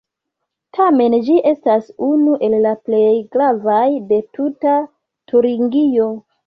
Tamen ĝi estas unu el la plej gravaj de tuta Turingio.